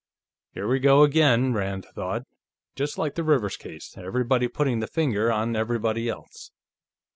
Here we go again! Rand thought. Just like the Rivers case; everybody putting the finger on everybody else....